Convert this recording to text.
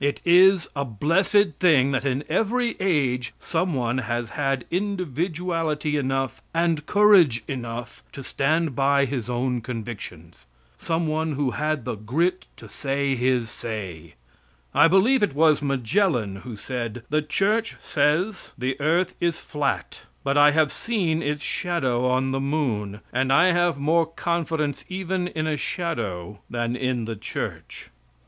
It is a blessed thing that in every age some one has had individuality enough and courage enough to stand by his own convictions; some one who had the grit to say his say. I believe it was Magellan who said, "the church says the earth is flat; but I have seen its shadow on the moon, and I have more confidence even in a shadow than in the church."